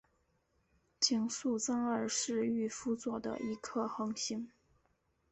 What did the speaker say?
井宿增二是御夫座的一颗恒星。